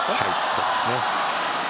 そうですね。